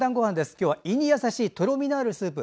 今日は、胃に優しいとろみのあるスープ。